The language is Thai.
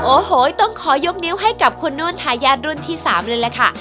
โอ้โหต้องขอยกนิ้วให้กับคุณโน่นทายาทรุ่นที่๓เลยล่ะค่ะ